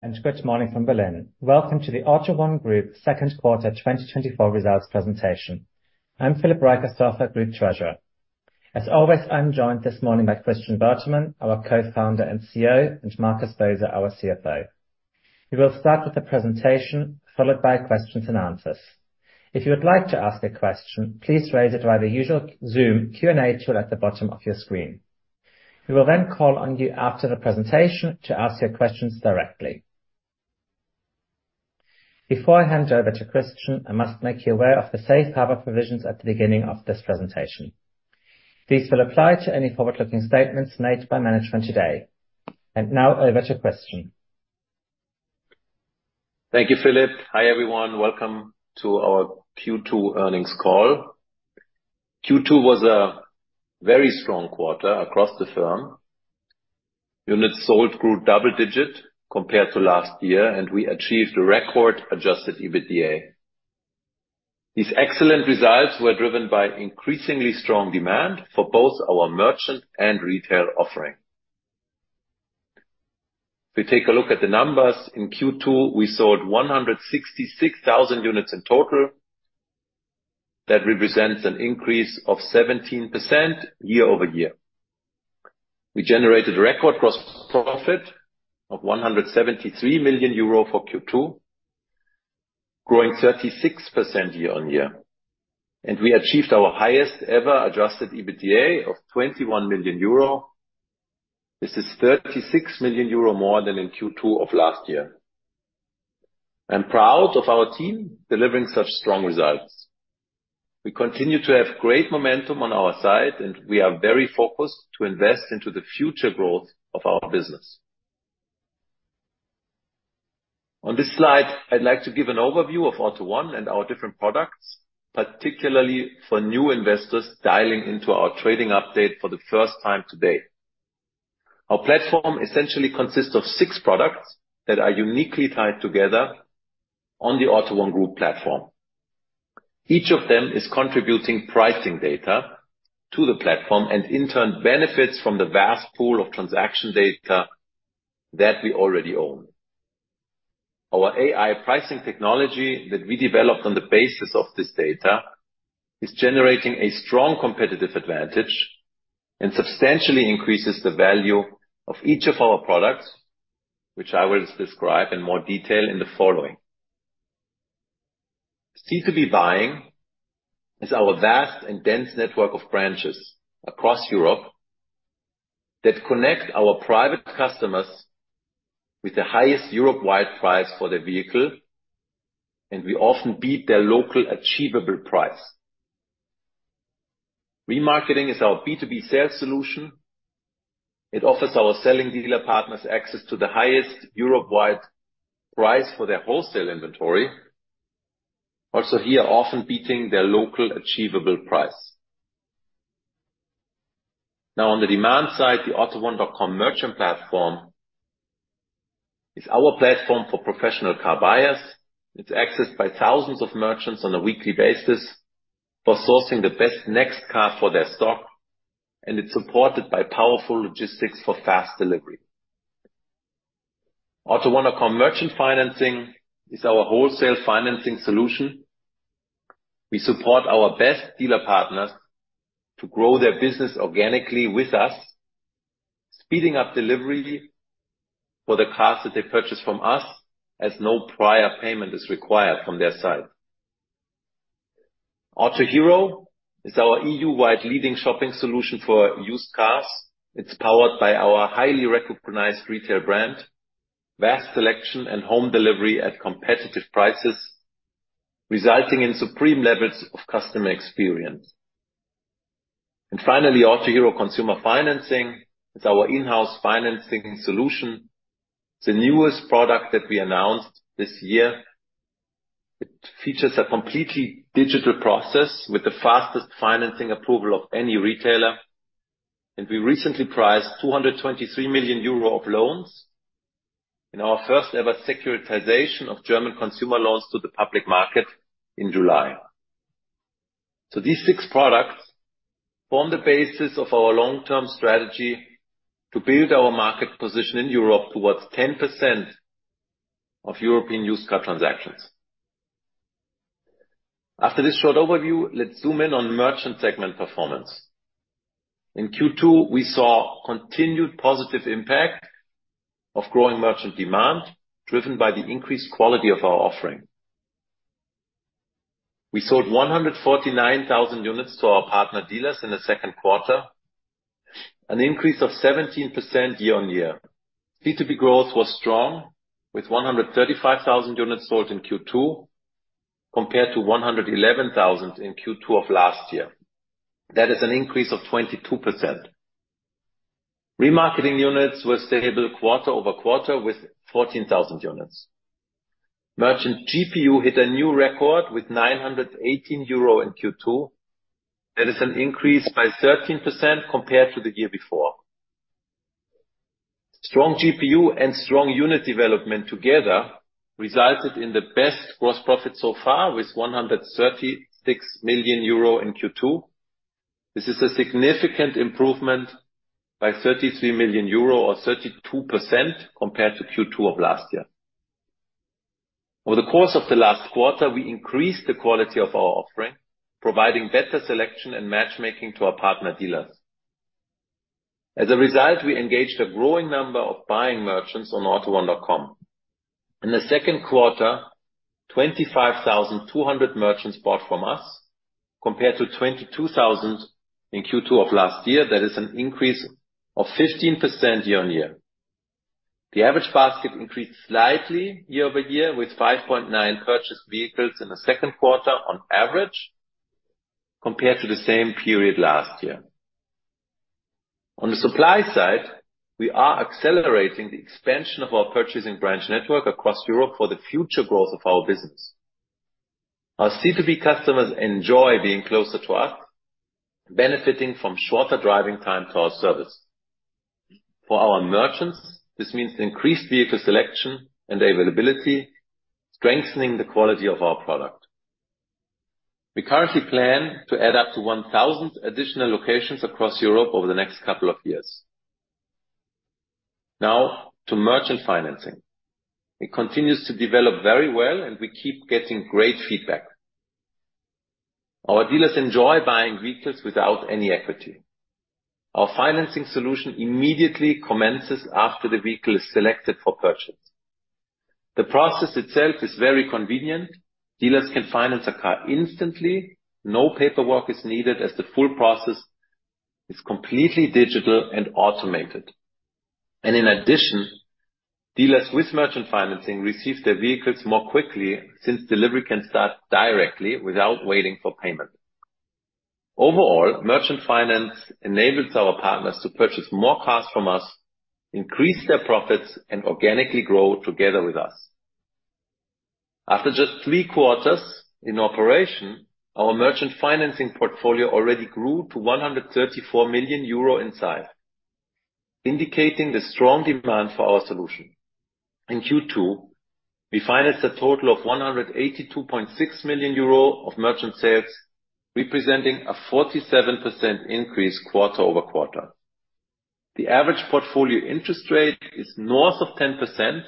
Good morning from Berlin. Welcome to the AUTO1 Group Second Quarter 2024 Results presentation. I'm Philip Reicherstorfer, Group Treasurer. As always, I'm joined this morning by Christian Bertermann, our Co-founder and CEO, and Markus Boser, our CFO. We will start with the presentation, followed by questions and answers. If you would like to ask a question, please raise it by the usual Zoom Q&A tool at the bottom of your screen. We will then call on you after the presentation to ask your questions directly. Before I hand you over to Christian, I must make you aware of the safe harbor provisions at the beginning of this presentation. These will apply to any forward-looking statements made by management today. Now over to Christian. Thank you, Philipp. Hi, everyone. Welcome to our Q2 earnings call. Q2 was a very strong quarter across the firm. Units sold grew double digit compared to last year, and we achieved a record Adjusted EBITDA. These excellent results were driven by increasingly strong demand for both our merchant and retail offering. If we take a look at the numbers, in Q2, we sold 166,000 units in total. That represents an increase of 17% year-over-year. We generated record gross profit of 173 million euro for Q2, growing 36% year-over-year, and we achieved our highest ever Adjusted EBITDA of 21 million euro. This is 36 million euro more than in Q2 of last year. I'm proud of our team delivering such strong results. We continue to have great momentum on our side, and we are very focused to invest into the future growth of our business. On this slide, I'd like to give an overview of AUTO1 and our different products, particularly for new investors dialing into our trading update for the first time today. Our platform essentially consists of six products that are uniquely tied together on the AUTO1 Group platform. Each of them is contributing pricing data to the platform and, in turn, benefits from the vast pool of transaction data that we already own. Our AI pricing technology that we developed on the basis of this data is generating a strong competitive advantage and substantially increases the value of each of our products, which I will describe in more detail in the following. C2B Buying is our vast and dense network of branches across Europe that connect our private customers with the highest Europe-wide price for their vehicle, and we often beat their local achievable price. Remarketing is our B2B sales solution. It offers our selling dealer partners access to the highest Europe-wide price for their wholesale inventory, also here, often beating their local achievable price. Now, on the demand side, the AUTO1.com merchant platform is our platform for professional car buyers. It's accessed by thousands of merchants on a weekly basis for sourcing the best next car for their stock, and it's supported by powerful logistics for fast delivery. AUTO1.com Merchant Financing is our wholesale financing solution. We support our best dealer partners to grow their business organically with us, speeding up delivery for the cars that they purchase from us, as no prior payment is required from their side. Autohero is our EU-wide leading shopping solution for used cars. It's powered by our highly recognized retail brand, vast selection, and home delivery at competitive prices, resulting in supreme levels of customer experience. And finally, Autohero Consumer Financing is our in-house financing solution. It's the newest product that we announced this year. It features a completely digital process with the fastest financing approval of any retailer, and we recently priced 223 million euro of loans in our first-ever securitization of German consumer loans to the public market in July. So these six products form the basis of our long-term strategy to build our market position in Europe towards 10% of European used car transactions. After this short overview, let's zoom in on Merchant segment performance. In Q2, we saw continued positive impact of growing merchant demand, driven by the increased quality of our offering. We sold 149,000 units to our partner dealers in the second quarter, an increase of 17% year-on-year. B2B growth was strong, with 135,000 units sold in Q2, compared to 111,000 in Q2 of last year. That is an increase of 22%. Remarketing units were stable quarter-over-quarter, with 14,000 units. Merchant GPU hit a new record with 918 euro in Q2. That is an increase by 13% compared to the year before. Strong GPU and strong unit development together resulted in the best gross profit so far, with 136 million euro in Q2. This is a significant improvement by 33 million euro or 32% compared to Q2 of last year. Over the course of the last quarter, we increased the quality of our offering, providing better selection and matchmaking to our partner dealers. As a result, we engaged a growing number of buying merchants on AUTO1.com. In the second quarter, 25,200 merchants bought from us, compared to 22,000 in Q2 of last year. That is an increase of 15% year-over-year. The average basket increased slightly year-over-year, with 5.9 purchased vehicles in the second quarter on average, compared to the same period last year. On the supply side, we are accelerating the expansion of our purchasing branch network across Europe for the future growth of our business. Our C2B customers enjoy being closer to us, benefiting from shorter driving time to our service. For our merchants, this means increased vehicle selection and availability, strengthening the quality of our product. We currently plan to add up to 1,000 additional locations across Europe over the next couple of years. Now, to merchant financing. It continues to develop very well, and we keep getting great feedback. Our dealers enjoy buying vehicles without any equity. Our financing solution immediately commences after the vehicle is selected for purchase. The process itself is very convenient. Dealers can finance a car instantly. No paperwork is needed, as the full process is completely digital and automated. In addition, dealers with merchant financing receive their vehicles more quickly, since delivery can start directly without waiting for payment. Overall, merchant finance enables our partners to purchase more cars from us, increase their profits, and organically grow together with us. After just three quarters in operation, our merchant financing portfolio already grew to 134 million euro in size, indicating the strong demand for our solution. In Q2, we financed a total of 182.6 million euro of merchant sales, representing a 47% increase quarter-over-quarter. The average portfolio interest rate is north of 10%,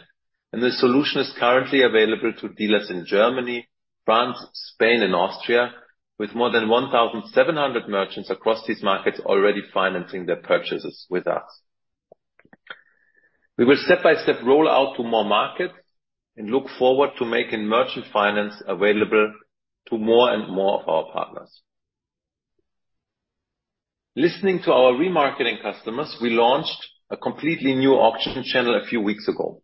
and the solution is currently available to dealers in Germany, France, Spain, and Austria, with more than 1,700 merchants across these markets already financing their purchases with us. We will step by step, roll out to more markets and look forward to making merchant finance available to more and more of our partners. Listening to our remarketing customers, we launched a completely new auction channel a few weeks ago.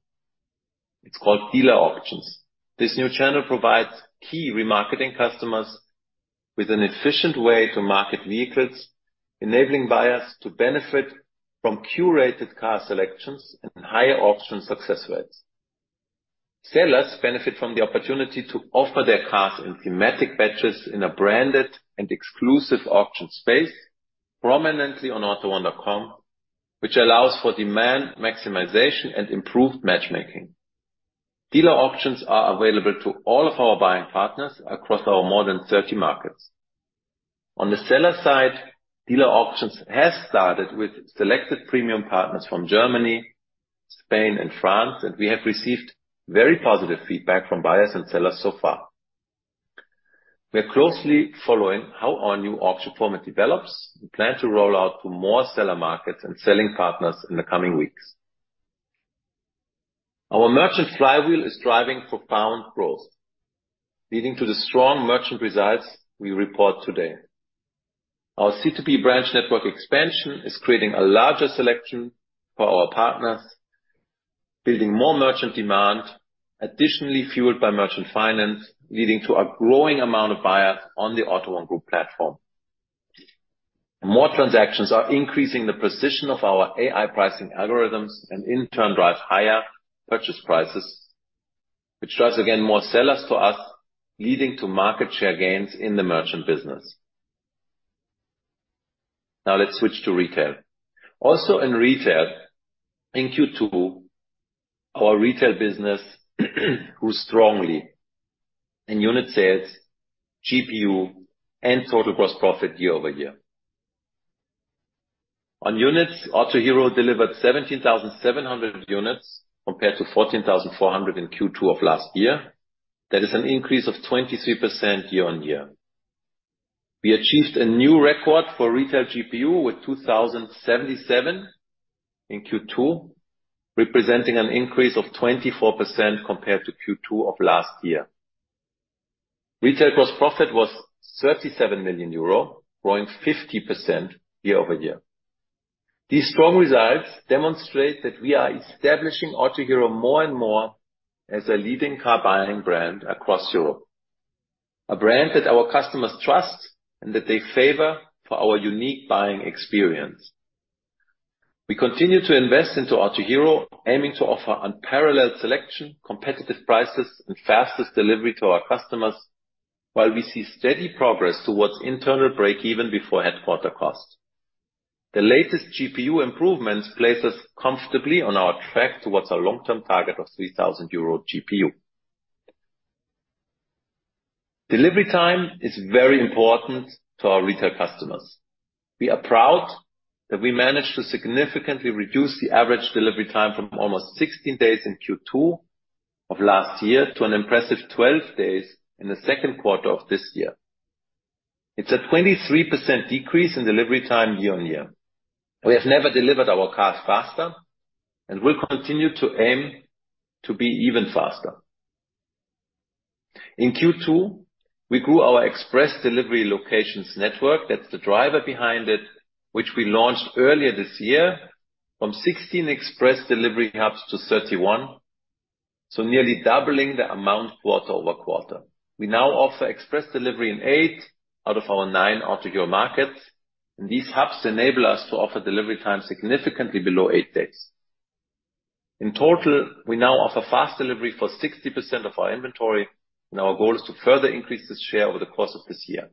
It's called Dealer Auctions. This new channel provides key remarketing customers with an efficient way to market vehicles, enabling buyers to benefit from curated car selections and higher auction success rates. Sellers benefit from the opportunity to offer their cars in thematic batches in a branded and exclusive auction space, prominently on AUTO1.com, which allows for demand maximization and improved matchmaking. Dealer Auctions are available to all of our buying partners across our more than 30 markets. On the seller side, Dealer Auctions have started with selected premium partners from Germany, Spain, and France, and we have received very positive feedback from buyers and sellers so far. We are closely following how our new auction format develops. We plan to roll out to more seller markets and selling partners in the coming weeks. Our Merchant Flywheel is driving profound growth, leading to the strong merchant results we report today. Our C2B branch network expansion is creating a larger selection for our partners, building more merchant demand, additionally fueled by merchant finance, leading to a growing amount of buyers on the AUTO1 Group platform. More transactions are increasing the precision of our AI pricing algorithms and in turn, drive higher purchase prices, which drives, again, more sellers to us, leading to market share gains in the merchant business. Now, let's switch to retail. Also, in retail, in Q2, our retail business grew strongly in unit sales, GPU, and total gross profit year-over-year. On units, Autohero delivered 17,700 units, compared to 14,400 in Q2 of last year. That is an increase of 23% year-over-year. We achieved a new record for retail GPU with 2,077 in Q2, representing an increase of 24% compared to Q2 of last year. Retail gross profit was 37 million euro, growing 50% year-over-year. These strong results demonstrate that we are establishing Autohero more and more as a leading car buying brand across Europe, a brand that our customers trust and that they favor for our unique buying experience. We continue to invest into Autohero, aiming to offer unparalleled selection, competitive prices, and fastest delivery to our customers, while we see steady progress towards internal break-even before headquarter costs. The latest GPU improvements place us comfortably on our track towards our long-term target of 3,000 euro GPU. Delivery time is very important to our retail customers. We are proud that we managed to significantly reduce the average delivery time from almost 16 days in Q2 of last year to an impressive 12 days in the second quarter of this year. It's a 23% decrease in delivery time year-over-year. We have never delivered our cars faster, and we'll continue to aim to be even faster. In Q2, we grew our express delivery locations network, that's the driver behind it, which we launched earlier this year, from 16 express delivery hubs to 31, so nearly doubling the amount quarter-over-quarter. We now offer express delivery in eight out of our nine Autohero markets, and these hubs enable us to offer delivery time significantly below eight days. In total, we now offer fast delivery for 60% of our inventory, and our goal is to further increase this share over the course of this year.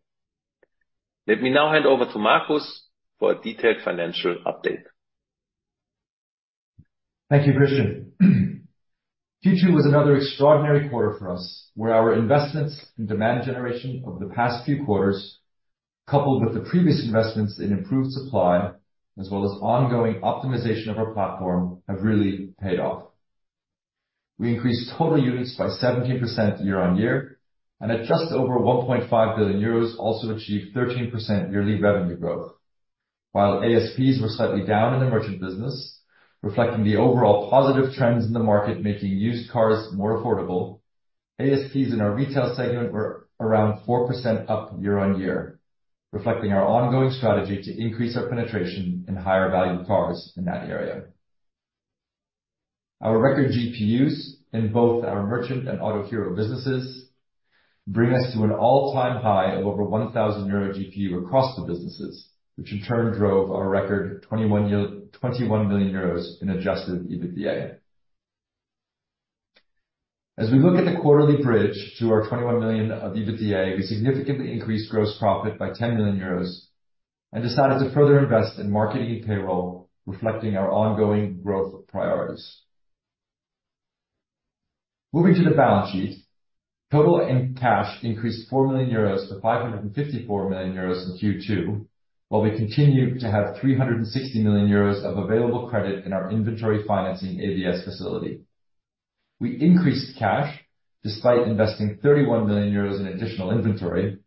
Let me now hand over to Markus for a detailed financial update. Thank you, Christian. Q2 was another extraordinary quarter for us, where our investments in demand generation over the past few quarters, coupled with the previous investments in improved supply, as well as ongoing optimization of our platform, have really paid off. We increased total units by 17% year-on-year, and at just over 1.5 billion euros, also achieved 13% yearly revenue growth. While ASPs were slightly down in the merchant business, reflecting the overall positive trends in the market, making used cars more affordable, ASPs in our retail segment were around 4% up year-on-year, reflecting our ongoing strategy to increase our penetration in higher value cars in that area. Our record GPUs in both our merchant and Autohero businesses bring us to an all-time high of over €1,000 GPU across the businesses, which in turn drove our record 21 million euros in adjusted EBITDA. As we look at the quarterly bridge to our 21 million of EBITDA, we significantly increased gross profit by 10 million euros and decided to further invest in marketing and payroll, reflecting our ongoing growth priorities. Moving to the balance sheet, total end cash increased 4 million euros to 554 million euros in Q2, while we continued to have 360 million euros of available credit in our inventory financing ABS facility. We increased cash despite investing 31 million euros in additional inventory,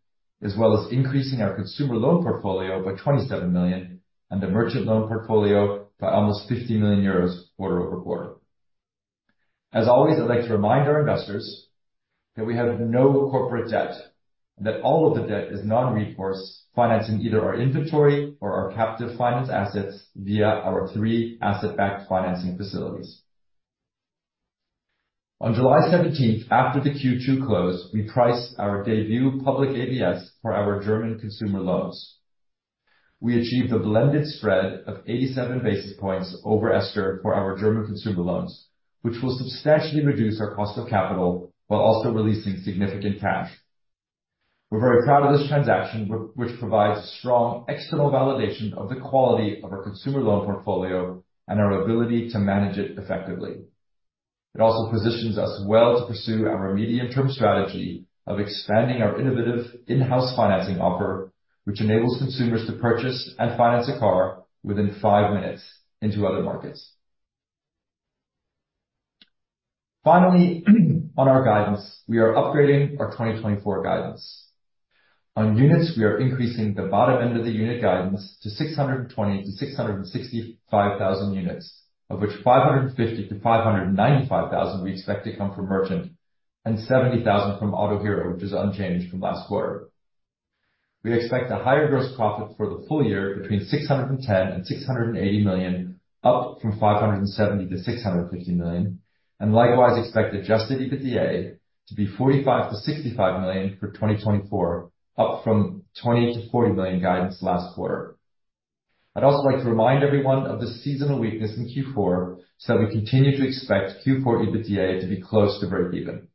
as well as increasing our consumer loan portfolio by 27 million and the merchant loan portfolio by almost 50 million euros quarter over quarter. As always, I'd like to remind our investors that we have no corporate debt, and that all of the debt is non-recourse, financing either our inventory or our captive finance assets via our three asset-backed financing facilities. On July seventeenth, after the Q2 close, we priced our debut public ABS for our German consumer loans. We achieved a blended spread of 87 basis points over €STR for our German consumer loans, which will substantially reduce our cost of capital while also releasing significant cash. We're very proud of this transaction, which provides strong external validation of the quality of our consumer loan portfolio and our ability to manage it effectively. It also positions us well to pursue our medium-term strategy of expanding our innovative in-house financing offer, which enables consumers to purchase and finance a car within five minutes into other markets. Finally, on our guidance, we are upgrading our 2024 guidance. On units, we are increasing the bottom end of the unit guidance to 620,000-665,000 units, of which 550,000-595,000 we expect to come from merchant, and 70,000 from Autohero, which is unchanged from last quarter. We expect a higher gross profit for the full year, between 610 million and 680 million, up from 570 million to 650 million, and likewise expect adjusted EBITDA to be 45 million to 65 million for 2024, up from 20 million to 40 million guidance last quarter. I'd also like to remind everyone of the seasonal weakness in Q4, so that we continue to expect Q4 EBITDA to be close to breakeven.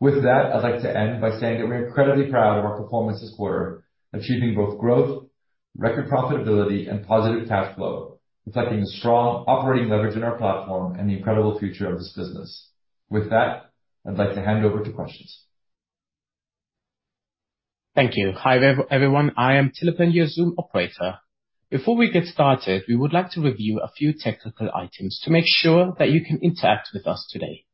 With that, I'd like to end by saying that we're incredibly proud of our performance this quarter, achieving both growth, record profitability, and positive cash flow, reflecting the strong operating leverage in our platform and the incredible future of this business. With that, I'd like to hand over to questions. Thank you. Hi, everyone, I am Thilipan, your Zoom operator. Before we get started, we would like to review a few technical items to make sure that you can interact with us today.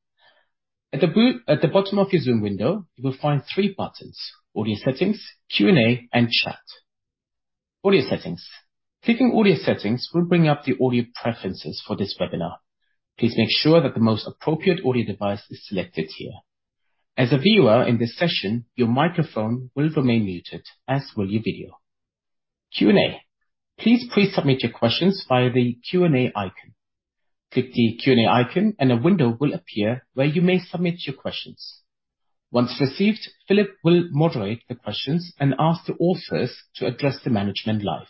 At the bottom of your Zoom window, you will find three buttons: Audio settings, Q&A, and Chat. Audio settings. Clicking Audio Settings will bring up the audio preferences for this webinar. Please make sure that the most appropriate audio device is selected here. As a viewer in this session, your microphone will remain muted, as will your video. Q&A. Please pre-submit your questions via the Q&A icon. Click the Q&A icon, and a window will appear where you may submit your questions. Once received, Philip will moderate the questions and ask the authors to address the management live.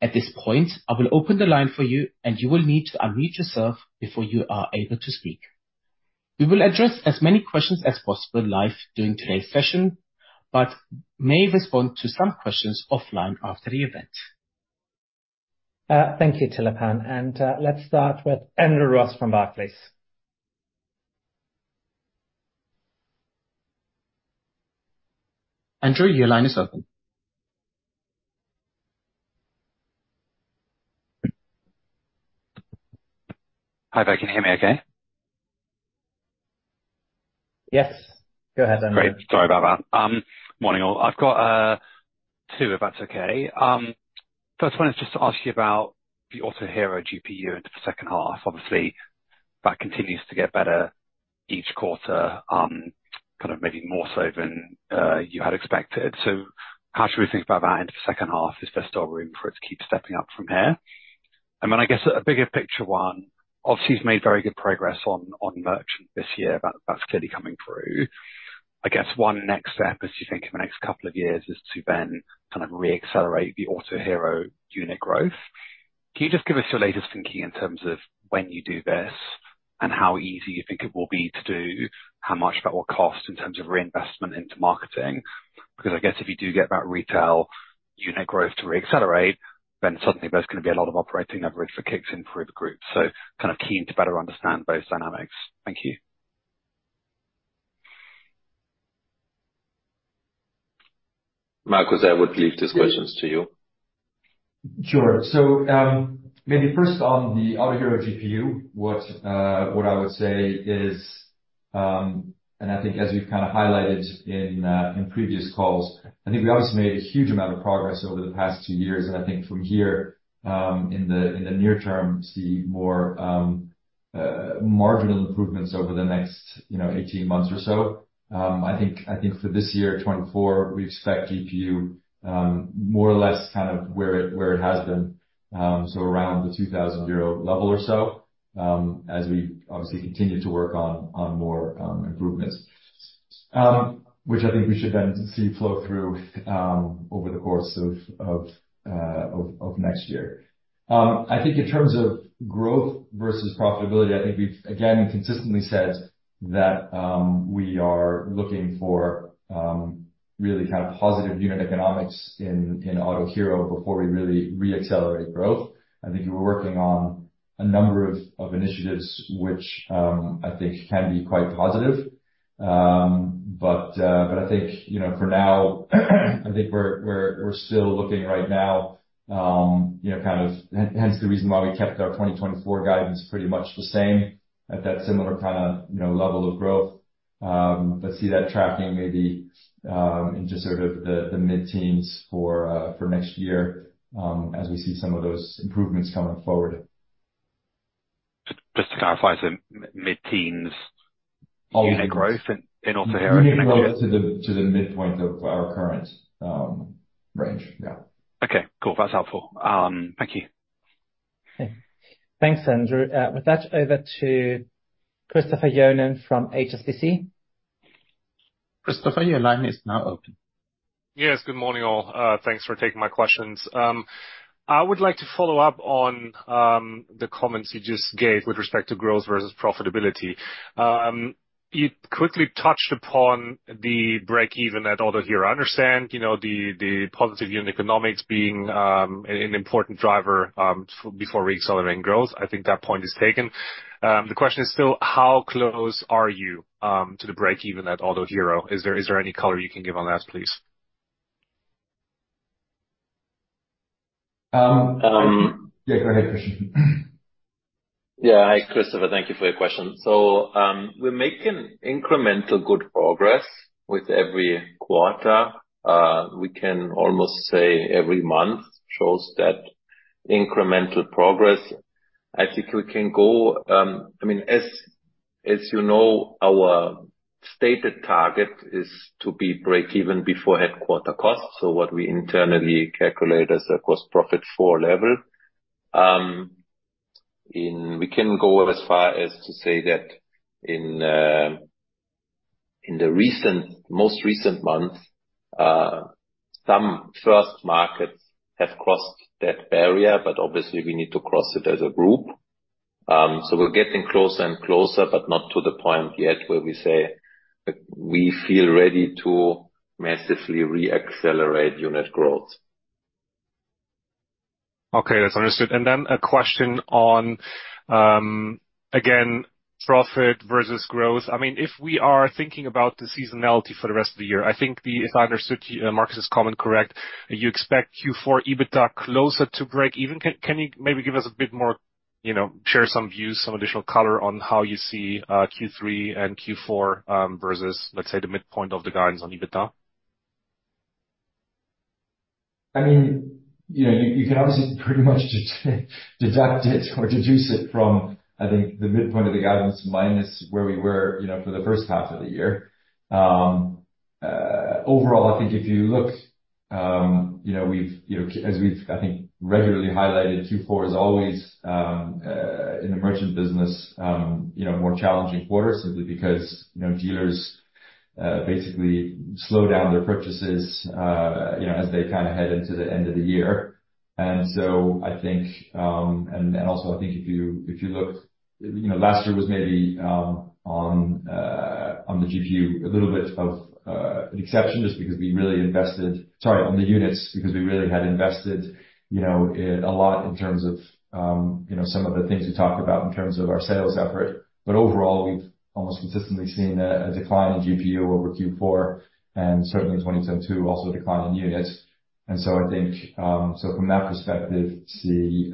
At this point, I will open the line for you, and you will need to unmute yourself before you are able to speak. We will address as many questions as possible live during today's session, but may respond to some questions offline after the event. ... thank you, Thilipan. And, let's start with Andrew Ross from Barclays. Andrew, your line is open. Hi there, can you hear me okay? Yes, go ahead, Andrew. Great, sorry about that. Morning, all. I've got two, if that's okay. First one is just to ask you about the Autohero GPU into the second half. Obviously, that continues to get better each quarter, kind of maybe more so than you had expected. So how should we think about that into the second half? Is there still room for it to keep stepping up from here? And then, I guess, a bigger picture one, obviously, you've made very good progress on merchant this year. That's clearly coming through. I guess one next step, as you think of the next couple of years, is to then kind of re-accelerate the Autohero unit growth. Can you just give us your latest thinking in terms of when you do this and how easy you think it will be to do, how much that will cost in terms of reinvestment into marketing? Because I guess if you do get that retail unit growth to re-accelerate, then suddenly there's gonna be a lot of operating leverage that kicks in for the group. So kind of keen to better understand both dynamics. Thank you. Markus, I would leave these questions to you. Sure. So, maybe first on the Autohero GPU, what I would say is, and I think as we've kind of highlighted in previous calls, I think we obviously made a huge amount of progress over the past 2 years. And I think from here, in the near term, see more marginal improvements over the next, you know, 18 months or so. I think for this year, 2024, we expect GPU more or less kind of where it has been, so around the 2,000 euro level or so, as we obviously continue to work on more improvements. Which I think we should then see flow through over the course of next year. I think in terms of growth versus profitability, I think we've again consistently said that, we are looking for, really kind of positive unit economics in, in Autohero before we really re-accelerate growth. I think we're working on a number of, of initiatives which, I think can be quite positive. But, but I think, you know, for now, I think we're, we're, we're still looking right now, you know, kind of... Hence the reason why we kept our 2024 guidance pretty much the same, at that similar kind of, you know, level of growth. But see that tracking maybe, in just sort of the, the mid-teens for, for next year, as we see some of those improvements coming forward. Just to clarify, so mid-teens unit growth in Autohero? To the midpoint of our current range, yeah. Okay, cool. That's helpful. Thank you. Thanks, Andrew. With that, over to Christopher Johnen from HSBC. Christopher, your line is now open. Yes, good morning, all. Thanks for taking my questions. I would like to follow up on the comments you just gave with respect to growth versus profitability. You quickly touched upon the break-even at Autohero. I understand, you know, the positive unit economics being an important driver before re-accelerating growth. I think that point is taken. The question is still, how close are you to the break-even at Autohero? Is there any color you can give on that, please? Yeah, go ahead, Christian. Yeah. Hi, Christopher. Thank you for your question. So, we're making incremental good progress with every quarter. We can almost say every month shows that incremental progress. I think we can go... I mean, as you know, our stated target is to be break-even before headquarters costs, so what we internally calculate as a Gross Profit 4 level. And we can go as far as to say that in the recent, most recent months, some first markets have crossed that barrier, but obviously we need to cross it as a group. So, we're getting closer and closer, but not to the point yet where we say we feel ready to massively re-accelerate unit growth. Okay, that's understood. Then a question on again, profit versus growth. I mean, if we are thinking about the seasonality for the rest of the year, I think, If I understood Markus's comment correct, you expect Q4 EBITDA closer to break-even. Can you maybe give us a bit more, you know, share some views, some additional color on how you see Q3 and Q4 versus, let's say, the midpoint of the guidance on EBITDA? I mean, you know, you can obviously pretty much just deduct it or deduce it from, I think, the midpoint of the guidance minus where we were, you know, for the first half of the year. Overall, I think if you look, you know, we've, you know, as we've, I think, regularly highlighted, Q4 is always, in the merchant business, you know, a more challenging quarter, simply because, you know, dealers basically slow down their purchases, you know, as they kind of head into the end of the year. And so I think, and also, I think if you, if you look-... You know, last year was maybe, on the GPU, a little bit of an exception, just because we really invested. Sorry, on the units, because we really had invested, you know, in a lot in terms of, you know, some of the things we talked about in terms of our sales effort. But overall, we've almost consistently seen a decline in GPU over Q4, and certainly in 2022, also a decline in units. And so I think, so from that perspective, see, you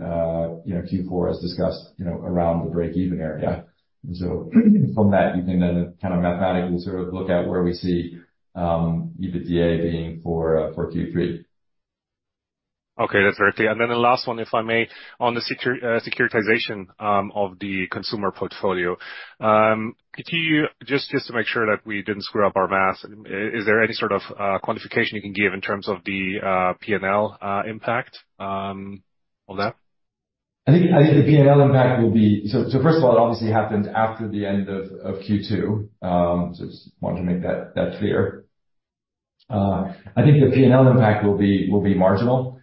know, Q4 as discussed, you know, around the break-even area. And so from that, you can then kind of mathematically sort of look at where we see, EBITDA being for Q3. Okay, that's very clear. And then the last one, if I may, on the securitization of the consumer portfolio. Could you just, just to make sure that we didn't screw up our math, is there any sort of quantification you can give in terms of the P&L impact on that? I think, I think the P&L impact will be... So first of all, it obviously happens after the end of Q2. So just wanted to make that clear. I think the P&L impact will be marginal,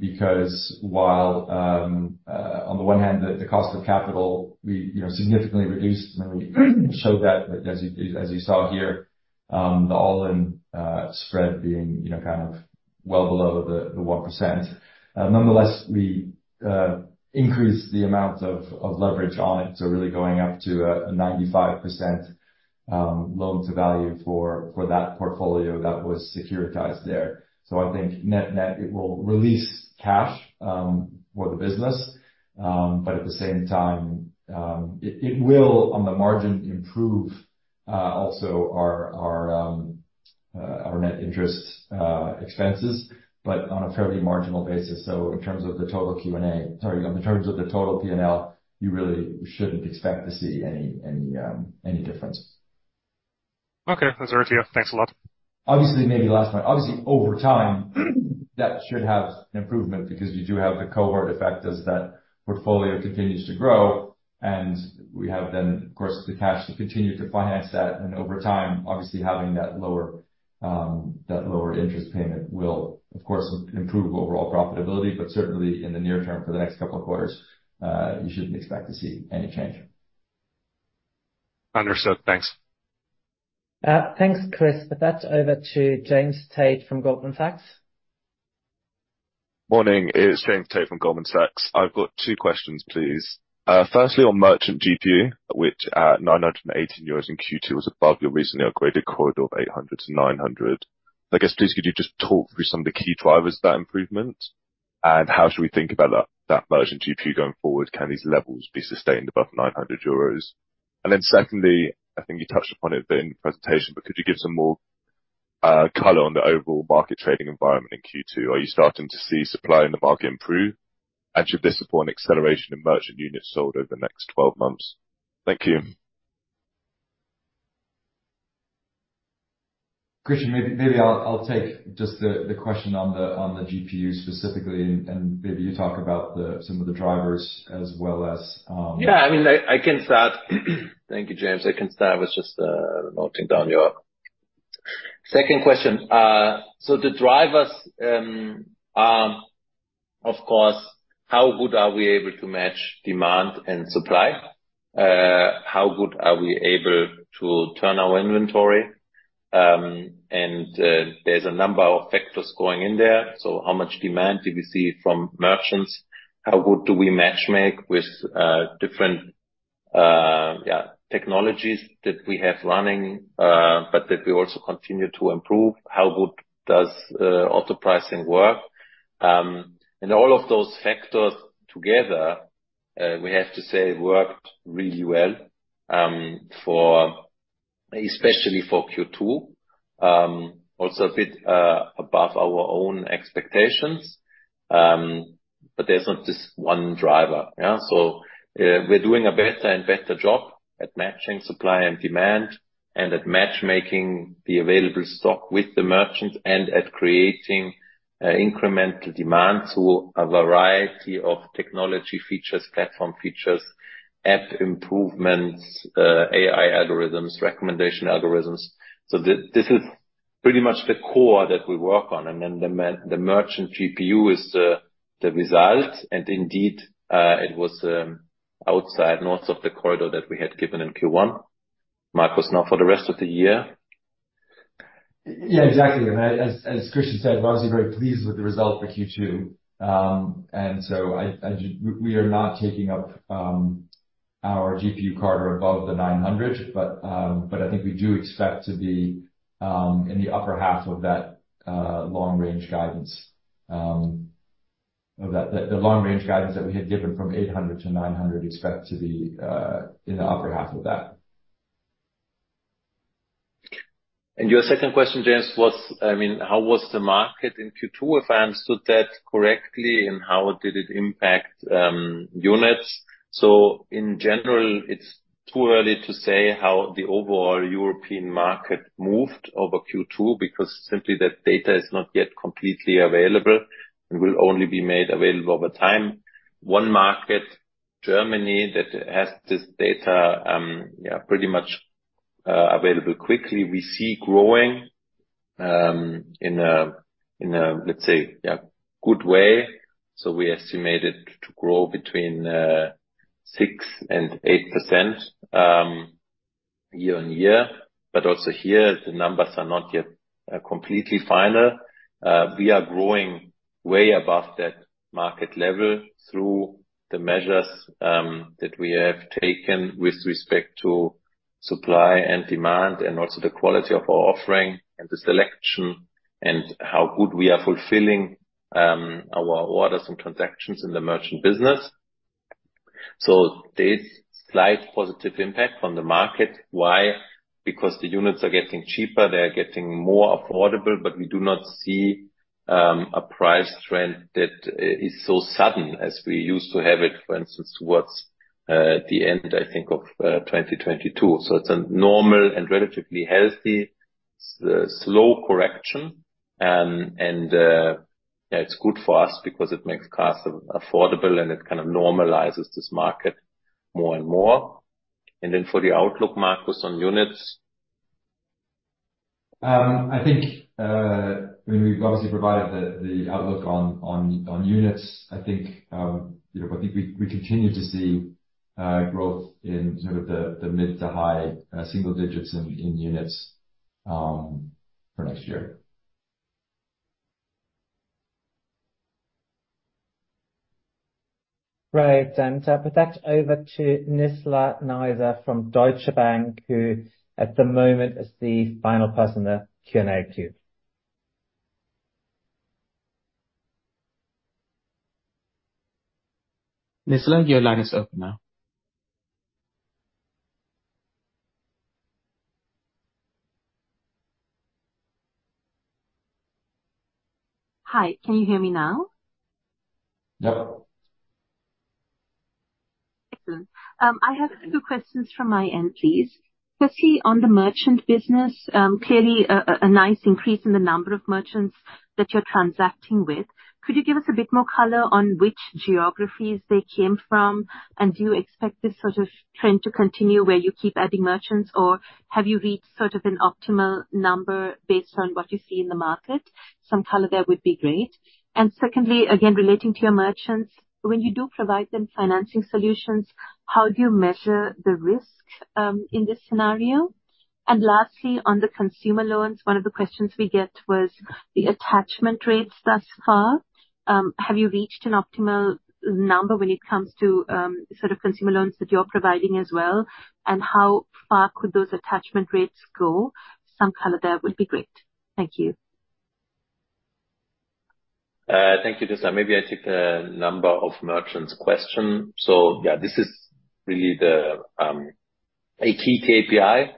because while on the one hand, the cost of capital we you know significantly reduced, and we showed that. But as you saw here, the all-in spread being you know kind of well below the 1%. Nonetheless, we increased the amount of leverage on it, so really going up to a 95% loan to value for that portfolio that was securitized there. So I think net-net, it will release cash for the business, but at the same time, it will, on the margin, improve also our net interest expenses, but on a fairly marginal basis. So in terms of the total Q&A, sorry, in terms of the total P&L, you really shouldn't expect to see any difference. Okay, that's very clear. Thanks a lot. Obviously, maybe last point. Obviously, over time, that should have improvement because you do have the cohort effect as that portfolio continues to grow, and we have then, of course, the cash to continue to finance that. And over time, obviously, having that lower, that lower interest payment will, of course, improve overall profitability. But certainly in the near term, for the next couple of quarters, you shouldn't expect to see any change. Understood. Thanks. Thanks, Chris. With that, over to James Tait from Goldman Sachs. Morning, it's James Tait from Goldman Sachs. I've got two questions, please. Firstly, on merchant GPU, which at 980 euros in Q2, was above your recently upgraded corridor of 800-900. I guess, please, could you just talk through some of the key drivers of that improvement? And how should we think about that, that merchant GPU going forward? Can these levels be sustained above 900 euros? And then secondly, I think you touched upon it a bit in the presentation, but could you give some more color on the overall market trading environment in Q2? Are you starting to see supply in the market improve? And should this support an acceleration in merchant units sold over the next 12 months? Thank you. Christian, maybe I'll take just the question on the GPU specifically, and maybe you talk about some of the drivers as well as... Yeah, I mean, I can start. Thank you, James. I can start with just noting down your second question. So the drivers are, of course, how good are we able to match demand and supply? How good are we able to turn our inventory? And there's a number of factors going in there. So how much demand do we see from merchants? How good do we matchmake with different technologies that we have running, but that we also continue to improve? How good does auto pricing work? And all of those factors together, we have to say worked really well, for especially for Q2. Also a bit above our own expectations, but there's not just one driver. Yeah. So, we're doing a better and better job at matching supply and demand, and at matchmaking the available stock with the merchants, and at creating incremental demand through a variety of technology features, platform features, app improvements, AI algorithms, recommendation algorithms. So this is pretty much the core that we work on, and then the merchant GPU is the result. And indeed, it was outside north of the corridor that we had given in Q1. Markus, now for the rest of the year? Yeah, exactly. And as Christian said, we're obviously very pleased with the result for Q2. We are not taking up our GPU guard above 900, but I think we do expect to be in the upper half of that long-range guidance. The long-range guidance that we had given from 800 to 900, expect to be in the upper half of that. Your second question, James, was, I mean, how was the market in Q2, if I understood that correctly, and how did it impact units? In general, it's too early to say how the overall European market moved over Q2, because simply that data is not yet completely available and will only be made available over time. One market, Germany, that has this data, yeah, pretty much, available quickly, we see growing in a, let's say, yeah, good way. We estimated to grow between 6%-8% year-on-year. But also here, the numbers are not yet completely final. We are growing way above that market level through the measures that we have taken with respect to supply and demand and also the quality of our offering and the selection, and how good we are fulfilling our orders and transactions in the merchant business. So there's slight positive impact from the market. Why? Because the units are getting cheaper, they are getting more affordable, but we do not see a price trend that is so sudden as we used to have it, for instance, towards the end, I think, of 2022. So it's a normal and relatively healthy slow correction. And yeah, it's good for us because it makes cars affordable, and it kind of normalizes this market more and more. And then for the outlook, Markus, on units? I think, I mean, we've obviously provided the outlook on units. I think, you know, but I think we continue to see growth in sort of the mid to high single digits in units for next year. Right. And, with that, over to Nizla Naizer from Deutsche Bank, who at the moment is the final person in the Q&A queue. Nizla, your line is open now. Hi, can you hear me now? Yep. Excellent. I have a few questions from my end, please. Firstly, on the merchant business, clearly, a nice increase in the number of merchants that you're transacting with. Could you give us a bit more color on which geographies they came from? And do you expect this sort of trend to continue, where you keep adding merchants, or have you reached sort of an optimal number based on what you see in the market? Some color there would be great. And secondly, again, relating to your merchants, when you do provide them financing solutions, how do you measure the risk in this scenario? And lastly, on the consumer loans, one of the questions we get was the attachment rates thus far. Have you reached an optimal number when it comes to, sort of consumer loans that you're providing as well, and how far could those attachment rates go? Some color there would be great. Thank you. Thank you, Nizla. Maybe I take the number of merchants question. So yeah, this is really a key KPI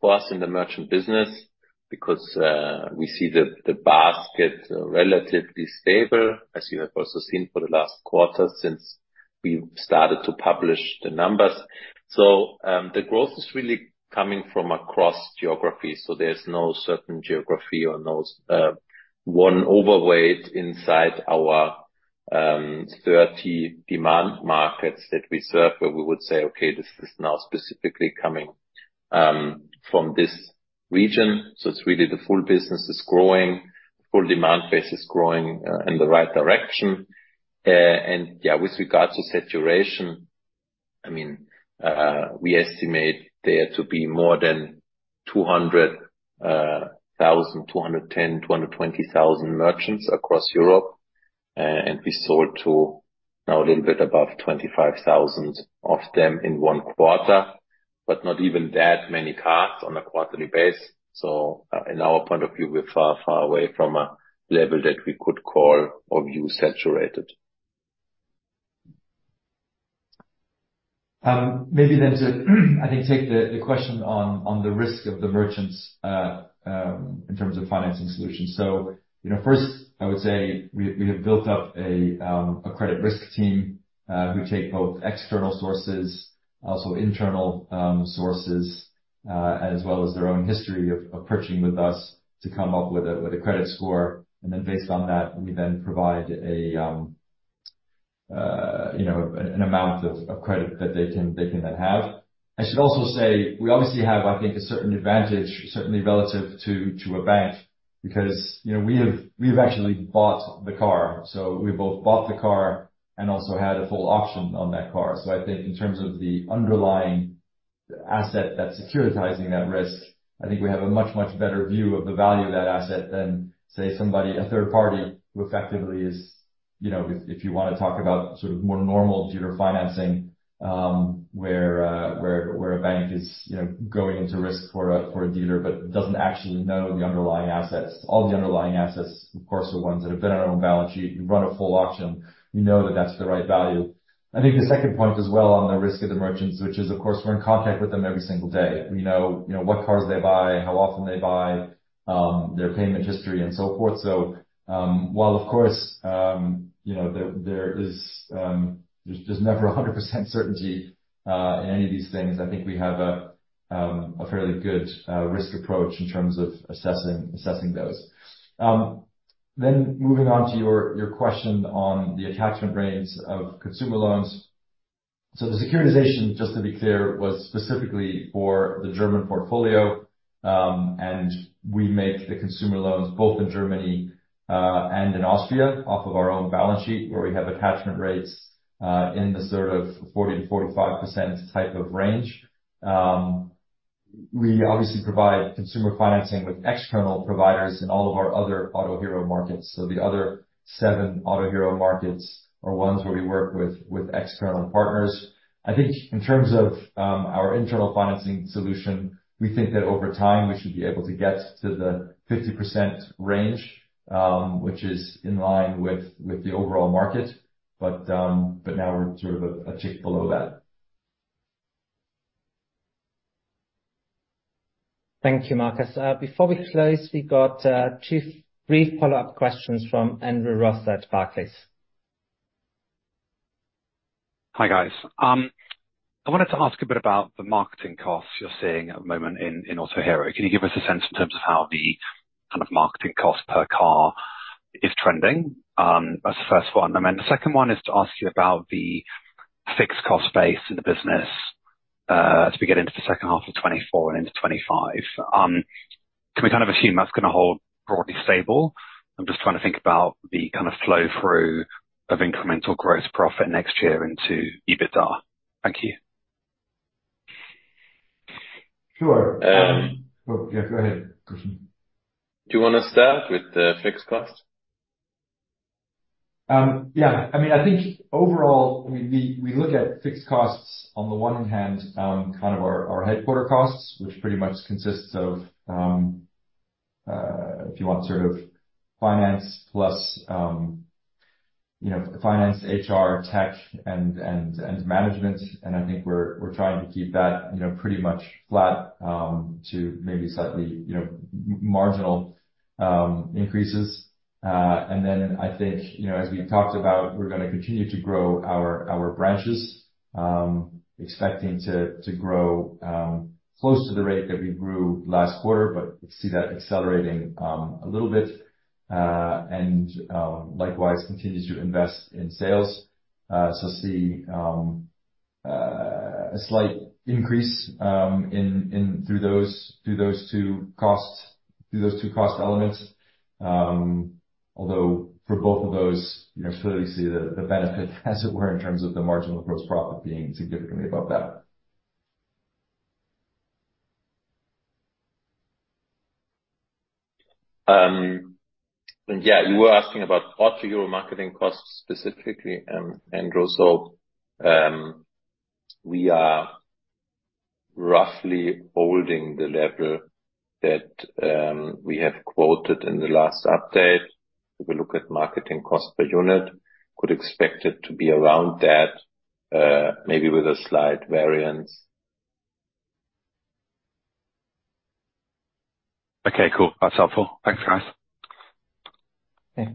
for us in the merchant business because we see the basket relatively stable, as you have also seen for the last quarter since we've started to publish the numbers. So the growth is really coming from across geographies, so there's no certain geography or no one overweight inside our 30 demand markets that we serve, where we would say, "Okay, this is now specifically coming from this region." So it's really the full business is growing, full demand base is growing in the right direction. And yeah, with regards to saturation, I mean we estimate there to be more than 200,000, 210,000, 220,000 merchants across Europe. And we sold to now a little bit above 25,000 of them in one quarter, but not even that many cars on a quarterly basis. So, in our point of view, we're far, far away from a level that we could call or view saturated. Maybe then to, I think, take the question on the risk of the merchants in terms of financing solutions. So, you know, first, I would say we have built up a credit risk team who take both external sources, also internal sources, as well as their own history of purchasing with us, to come up with a credit score. And then based on that, we then provide a, you know, an amount of credit that they can have. I should also say, we obviously have, I think, a certain advantage, certainly relative to a bank, because, you know, we have actually bought the car. So we both bought the car and also had a full auction on that car. So I think in terms of the underlying asset that's securitizing that risk, I think we have a much, much better view of the value of that asset than, say, somebody, a third party, who effectively is, you know... If you want to talk about sort of more normal dealer financing, where a bank is, you know, going into risk for a dealer but doesn't actually know the underlying assets. All the underlying assets, of course, are ones that have been on our own balance sheet. You run a full auction, you know that that's the right value. I think the second point as well, on the risk of the merchants, which is, of course, we're in contact with them every single day. We know, you know, what cars they buy, how often they buy, their payment history, and so forth. So, while of course, you know, there is never 100% certainty in any of these things, I think we have a fairly good risk approach in terms of assessing those. Then moving on to your question on the attachment rates of consumer loans. So the securitization, just to be clear, was specifically for the German portfolio. And we make the consumer loans both in Germany and in Austria, off of our own balance sheet, where we have attachment rates in the sort of 40%-45% type of range. We obviously provide consumer financing with external providers in all of our other Autohero markets. So the other seven Autohero markets are ones where we work with external partners. I think in terms of our internal financing solution, we think that over time, we should be able to get to the 50% range, which is in line with the overall market. But now we're sort of a tick below that. Thank you, Markus. Before we close, we've got two brief follow-up questions from Andrew Ross at Barclays. Hi, guys. I wanted to ask a bit about the marketing costs you're seeing at the moment in Autohero. Can you give us a sense in terms of how the kind of marketing cost per car is trending? That's the first one. And then the second one is to ask you about the fixed cost base in the business, as we get into the second half of 2024 and into 2025. Can we kind of assume that's gonna hold broadly stable? I'm just trying to think about the kind of flow-through of incremental gross profit next year into EBITDA. Thank you. Sure. Um- Oh, yeah, go ahead, Christian. Do you wanna start with the fixed cost? Yeah. I mean, I think overall, we look at fixed costs on the one hand, kind of our headquarters costs, which pretty much consists of, if you want, sort of finance plus, you know, finance, HR, tech, and management. I think we're trying to keep that, you know, pretty much flat, to maybe slightly, you know, marginal increases. And then I think, you know, as we talked about, we're gonna continue to grow our branches, expecting to grow close to the rate that we grew last quarter, but see that accelerating a little bit. And likewise, continues to invest in sales. So see a slight increase in through those, through those two costs, through those two cost elements. Although for both of those, you know, clearly see the benefit, as it were, in terms of the marginal gross profit being significantly above that. Yeah, you were asking about Autohero marketing costs specifically, Andrew, so we are roughly holding the level that we have quoted in the last update. If we look at marketing cost per unit, could expect it to be around that, maybe with a slight variance. Okay, cool. That's helpful. Thanks, guys. Okay.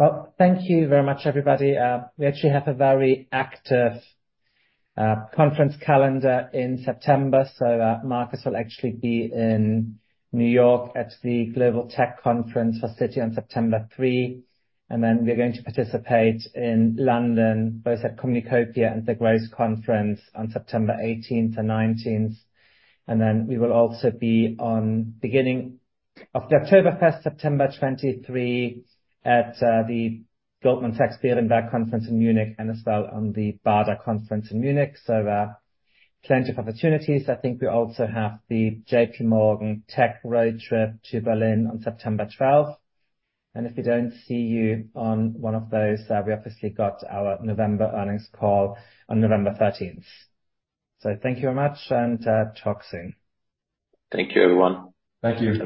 Well, thank you very much, everybody. We actually have a very active conference calendar in September, so Markus will actually be in New York at the Citi Global Tech Conference on September 3. And then we're going to participate in London, both at Communacopia and the Growth Conference on September 18th and 19th. And then we will also be on September 23 at the Goldman Sachs Berenberg Conference in Munich, and as well on the Baader Conference in Munich. So plenty of opportunities. I think we also have the J.P. Morgan Tech Road trip to Berlin on September 12th. And if we don't see you on one of those, we obviously got our November earnings call on November 13th. So thank you very much, and talk soon. Thank you, everyone. Thank you. Bye-bye.